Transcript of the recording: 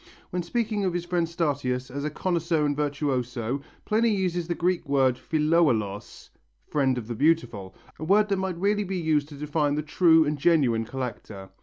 When speaking of his friend Statius as a connoisseur and virtuoso, Pliny uses the Greek word φιλόαλος (friend of the beautiful), a word that might really be used to define the true and genuine collector.